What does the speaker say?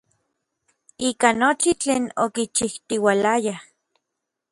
Ika nochi tlen okichijtiualayaj.